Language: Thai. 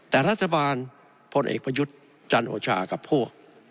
แต่รัฐบาลพลเอกประยุทธ์จันโอชากับพวก